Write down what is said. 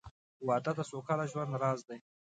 • واده د سوکاله ژوند راز دی.